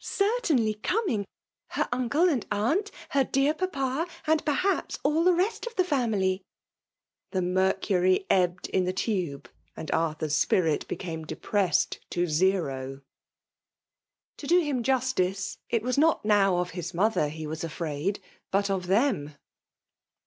Gertainly coming! her unde and aunt ; her deac papa, and^.per* h^s> all the rest of the family !the mercury ebbed in the tube> and Arthur s spirit became depressed to zero. To do him justice, it was not now of his mother he was afraid, but of them.